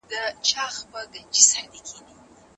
ایا زده کوونکي پوښتنې کوي؟